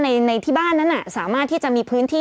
ในที่บ้านนั้นสามารถที่จะมีพื้นที่